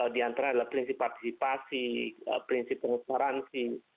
diantara adalah prinsip partisipasi prinsip pengesparansi